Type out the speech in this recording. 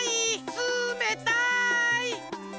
つめたい！